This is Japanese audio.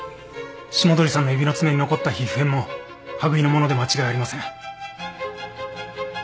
霜鳥さんの指の爪に残っていた皮膚片も羽喰のもので間違いありません